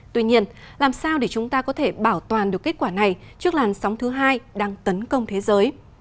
tuy nhiên làm sao để chúng ta có thể bảo toàn được kết quả này trước làn sóng thứ hai đang tấn công thế giới